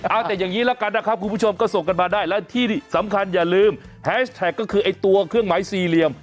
เอาแต่อย่างนี้ละกันนะครับคุณผู้ชมก็ส่งกันมาได้และที่สำคัญอย่าลืมแฮชแท็กก็คือไอ้ตัวเครื่องหมายสี่เหลี่ยม